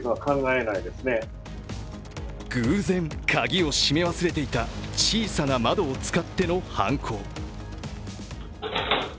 偶然、鍵を閉め忘れていた小さな窓を使っての犯行。